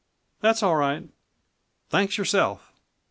That's all right. Thanks, yourself."